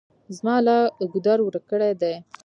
زما لار ګودر ورک کړي دي.